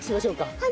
はい。